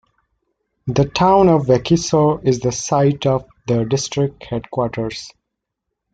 The town of Wakiso is the site of the district headquarters.